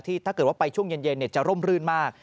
ถ้าเกิดว่าไปช่วงเย็นจะร่มรื่นมาก